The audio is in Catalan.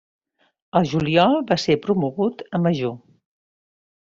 Al juliol va ser promogut a Major.